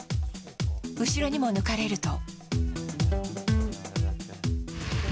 後ろにも抜かれると。